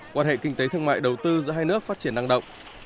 quan hệ kinh tế thương mại đầu tư giữa hai nước phát triển năng động